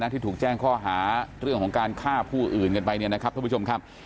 ที่ถูกแจ้งข้อหาเรื่องของการฆ่าผู้อื่นกันไปเนี่ยนะครับท่านผู้ชมครับ